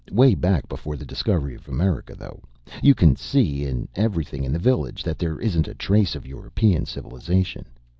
Way back before the discovery of America, though. You can see in everything in the village that there isn't a trace of European civilization.